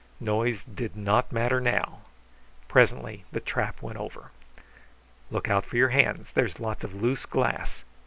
Noise did not matter now. Presently the trap went over. "Look out for your hands; there's lots of loose glass.